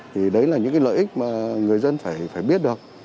thì đấy là những cái lợi ích mà người dân phải biết được